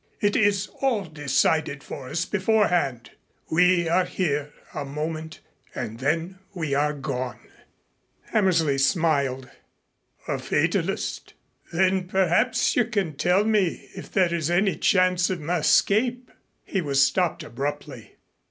It is all decided for us beforehand. We are here a moment and then we are gone." Hammersley smiled. "A fatalist! Then perhaps you can tell me if there is any chance of my escape." He was stopped abruptly.